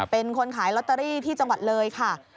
เป็นคนขายลอตเตอรี่ที่จังหวัดเลยค่ะ